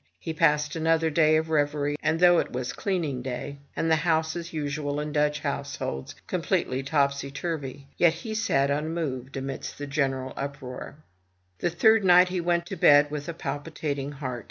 He passed another day of reverie, and though it was cleaning day, and the house, as usual in Dutch households, com pletely topsy turvy, yet he sat unmoved amidst the general uproar. The third night he went to bed with a palpitating heart.